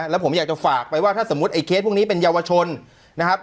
แล้วผมอยากจะฝากไปว่าถ้าสมมุติไอ้เคสพวกนี้เป็นเยาวชนนะครับ